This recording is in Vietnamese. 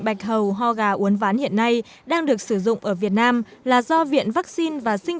bạch hầu ho gà uốn ván hiện nay đang được sử dụng ở việt nam là do viện vaccine và sinh